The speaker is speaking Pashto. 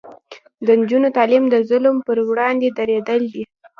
د نجونو تعلیم د ظلم پر وړاندې دریدل دي.